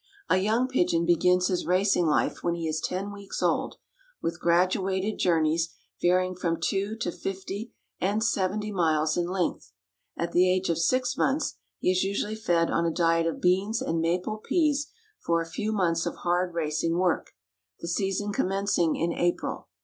A young pigeon begins his racing life when he is ten weeks old, with graduated journeys, varying from two to fifty and seventy miles in length. At the age of six months he is usually fed on a diet of beans and maple peas for a few months of hard racing work, the season commencing in April.